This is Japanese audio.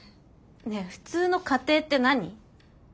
ねえ「普通の家庭」って何？